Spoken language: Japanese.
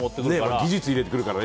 技術入れてくるからね。